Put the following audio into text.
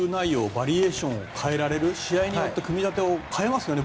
バリエーションを変えられる試合によって組み立てを変えますよね。